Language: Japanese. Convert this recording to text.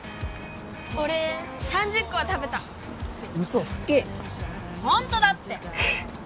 俺３０個は食べたウソつけホントだって！